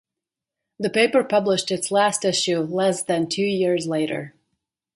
The paper published its last issue less than two years later.